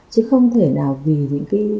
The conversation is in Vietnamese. chứ không thể nào vì những cái sự một là dễ dãi